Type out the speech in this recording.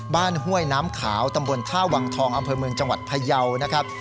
ห้วยน้ำขาวตำบลท่าวังทองอำเภอเมืองจังหวัดพยาวนะครับ